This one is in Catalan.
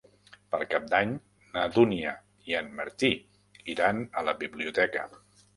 Per Cap d'Any na Dúnia i en Martí iran a la biblioteca.